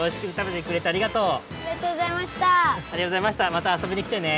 またあそびにきてね！